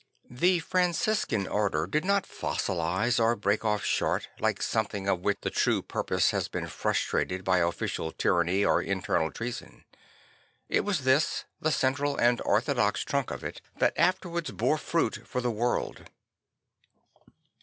The Franciscan order did not fossilise or break off short like something of which the true purpose has been frustrated by official tyranny or internal treason. It was this, the central and orthodox trunk of it, that afterwards bore fruit for the \vorld.